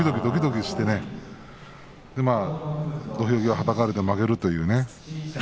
そして土俵際はたかれて負けるというね。